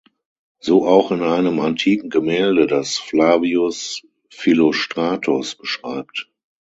So auch in einem antiken Gemälde, das Flavius Philostratos beschreibt.